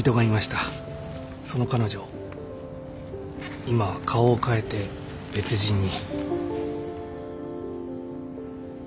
その彼女今は顔を変えて別人に